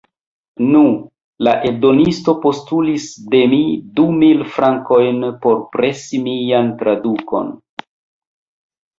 Nu, la eldonisto postulis de mi du mil frankojn por presi mian tradukon.